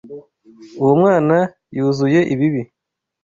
Uwo mwana yuzuye ibibi.